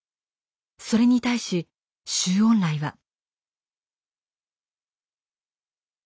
それに対し周恩来は。